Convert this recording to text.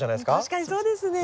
確かにそうですね。